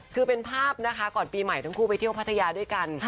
คือเป็นภาพนะคะก่อนปีใหม่ทั้งคู่ไปเที่ยวพัทยาด้วยกัน